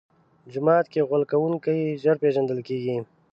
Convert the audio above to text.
جومات کې غول کوونکی ژر پېژندل کېږي.